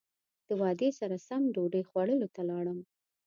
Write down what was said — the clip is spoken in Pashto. د وعدې سره سم ډوډۍ خوړلو ته لاړم.